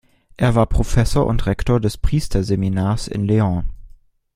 Er war Professor und Rektor des Priesterseminars in León.